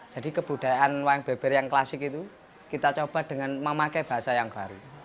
jadi kebudayaan wayang beber yang klasik itu kita coba dengan memakai bahasa yang baru